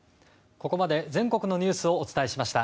ここまで全国のニュースをお伝えしました。